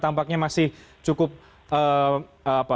tampaknya masih cukup